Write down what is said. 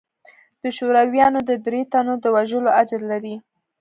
د شورويانو د درېو تنو د وژلو اجر لري.